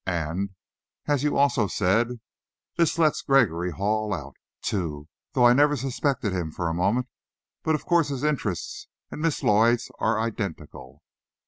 And, as you also said, this lets Gregory Hall out, too, though I never suspected him for a moment. But, of course, his interests and Miss Lloyd's are identical."